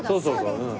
うん。